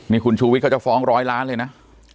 นี่คุณชูวิทยเขาจะฟ้องร้อยล้านเลยนะ